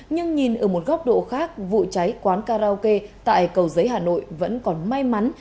nhưng nhìn ở một góc độ khác vụ cháy quán karaoke tại cầu giấy hà nội vẫn còn may mắn